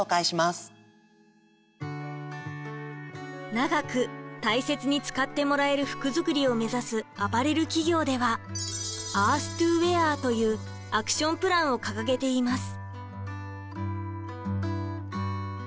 長く大切に使ってもらえる服作りを目指すアパレル企業では「ＥＡＲＴＨＴＯＷＥＡＲ」というアクションプランを掲げています。